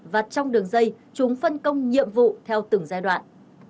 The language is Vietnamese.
và trong đường dây chúng phân công nhiệm vụ theo từng giai đoạn